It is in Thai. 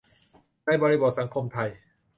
ในบริบทสังคมไทย